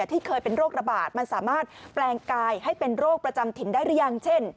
ที่เคยเป็นโรคระบาดมันสามารถแปลงกายให้เป็นโรคประจำถิ่นได้หรือยังเช่น